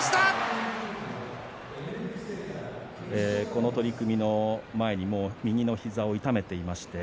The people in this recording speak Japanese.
この取組の前に右の膝を痛めていました。